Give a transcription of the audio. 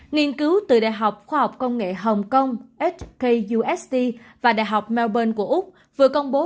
nghiên cứu từ đại học khoa học công nghệ hồng kông jkus và đại học melbourne của úc vừa công bố